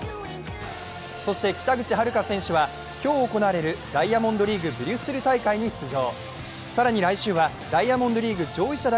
そして北口榛花選手は今日行われるダイヤモンドリーグ・ブリュッセル大会に出場。